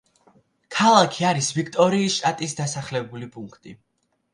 ქალაქი არის ვიქტორიის შტატის დასახლებული პუნქტი.